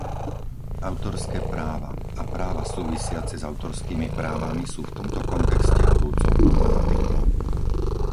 Autorské práva a práva súvisiace s autorskými právami sú v tomto kontexte horúcou problematikou.